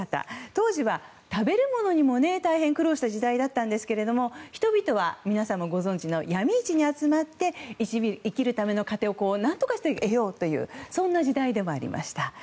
当時は食べるものにも大変苦労した時代だったんですけど人々は、皆さんもご存じのヤミ市に集まって生きるための糧を何とかして得ようというそんな時代でもありました。